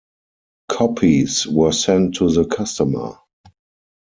Copies were sent to the customer.